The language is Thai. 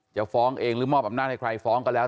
ฟ้องเองหรือมอบอำนาจให้ใครฟ้องก็แล้ว